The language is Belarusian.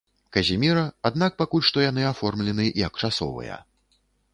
Казіміра, аднак пакуль што яны аформлены як часовыя.